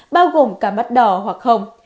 bao gồm cả mắt đỏ hoặc hồng